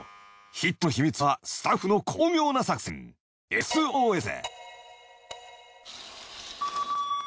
ヒットの秘密はスタッフの巧妙な作戦『Ｓ・Ｏ・Ｓ』。